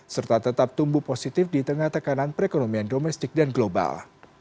serta tetap tumbuh positif di tengah tekanan perekonomian domestik dan global